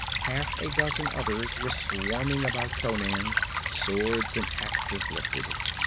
Half a dozen others were swarming about Conan, swords and axes lifted.